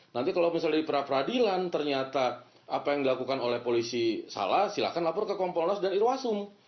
nanti kalau misalnya dari para peradilan ternyata apa yang dilakukan oleh polisi salah silahkan laporkan ke komponlas dan irwasum